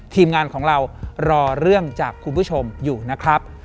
ทีมงานของเรารอเรื่องจากคุณผู้ชมอยู่นะครับ